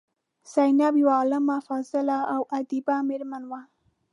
زینب یوه عالمه، فاضله او ادیبه میرمن وه.